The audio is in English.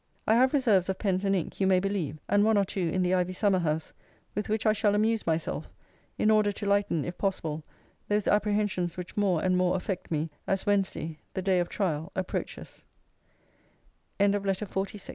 I have reserves of pens and ink, you may believe; and one or two in the ivy summer house; with which I shall amuse myself, in order to lighten, if possible, those apprehensions which more and more affect me, as Wednesday, the day of trial, approac